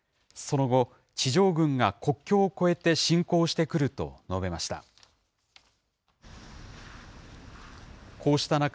その後、地上軍が国境を越えて侵攻してくると述べました。